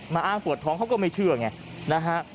อ้างปวดท้องเขาก็ไม่เชื่อไงนะฮะ